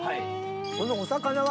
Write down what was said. このお魚は？